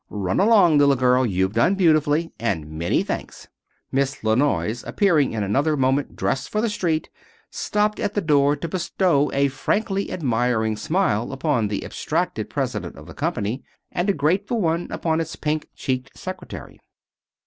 "Run along, little girl. You've done beautifully. And many thanks." Miss La Noyes, appearing in another moment dressed for the street, stopped at the door to bestow a frankly admiring smile upon the abstracted president of the company, and a grateful one upon its pink cheeked secretary.